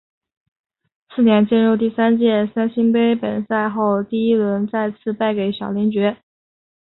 次年进入第三届三星杯本赛后第一轮再次败给小林觉。